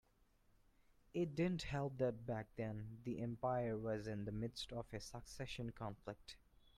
It didn't help that back then the empire was in the midst of a succession conflict.